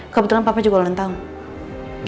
kebetulan papa juga lontong